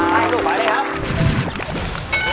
ให้ดูไหมเลยครับ